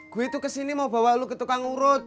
gue itu kesini mau bawa lu ke tukang urut